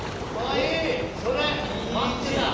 いいそれ待ってた！